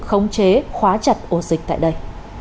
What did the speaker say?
khống chế khóa chặt ô dịch tại đây